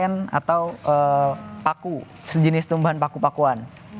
ini kayak kayu sejenis tumbuhan paku pakuan